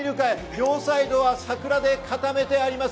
両サイドは桜でかためてあります。